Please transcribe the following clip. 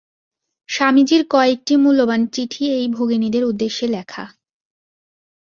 স্বামীজীর কয়েকটি মূল্যবান চিঠি এই ভগিনীদের উদ্দেশে লেখা।